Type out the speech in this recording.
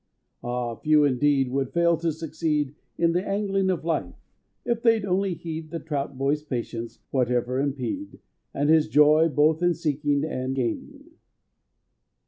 Ah! few, indeed, would fail to succeed In the angling of life—if they'd only heed The trout boy's patience, whatever impede, And his joy, both in seeking and gaining.